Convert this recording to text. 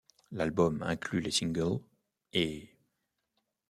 L'album inclut les singles ' et '.